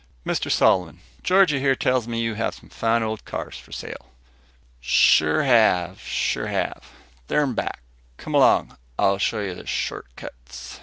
"Mr Solomon, Georgie here tells me you have some fine old cars for sale?" "Sure have. Sure have. They're in back. Come along. I'll show you the short cuts."